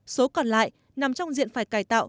số còn lại nằm trong diện phải cải tạo